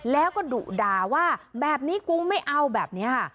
แล้วก็ดุดาว่าแบบนี้กูไม่เอาแบบนี้ค่ะ